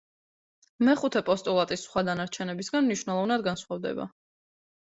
მეხუთე პოსტულატის სხვა დანარჩენებისგან მნიშვნელოვნად განსხვავდება.